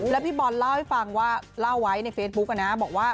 แล้วพี่บอลเล่าให้ฟังว่าเล่าไว้ในเฟซบุ๊กนะบอกว่า